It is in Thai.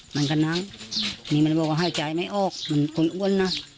มันก็น้ำนี่มันบอกว่าหายใจไม่ออกมันคนอ้วนนะ